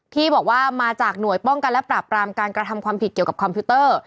ที่บอกว่ามาจากหน่วยป้องกันและปราบปรามการกระทำความผิดเกี่ยวกับคอมพิวเตอร์